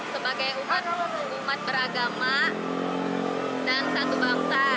sebagai umat beragama dan satu bangsa